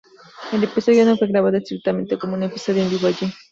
El episodio no fue grabado estrictamente como un episodio en vivo allí.